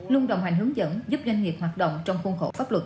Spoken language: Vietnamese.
luôn đồng hành hướng dẫn giúp doanh nghiệp hoạt động trong khuôn khổ pháp luật